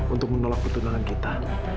untuk menolak pertunangan kita